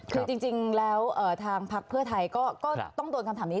คือจริงแล้วทางพักเพื่อไทยก็ต้องโดนคำถามนี้